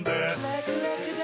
ラクラクだ！